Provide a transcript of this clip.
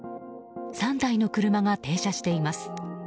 ３台の車が停車しています。